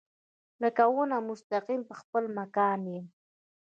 لکه ونه مستقیم پۀ خپل مکان يم